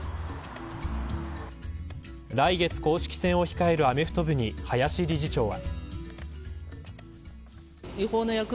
来月、公式戦を控えるアメフト部に林理事長は。